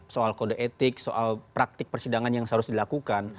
soal kode etik soal praktik persidangan yang seharusnya dilakukan